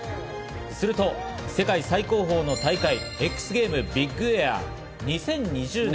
すると世界最高峰の大会、Ｘゲーム・ビッグエア。